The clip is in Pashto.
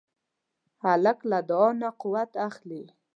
هلک له دعا نه قوت اخلي.